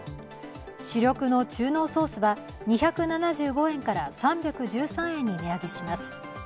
主力の中濃ソースは、２７５円から３１３円に値上げします。